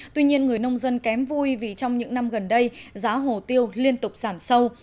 tuy nhiên người nông dân kém vui vì trong những năm gần đây giá hồ tiêu liên tục giảm sâu